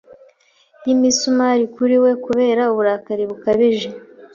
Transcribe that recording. Y'imisumari kuri we kubera uburakari bukabije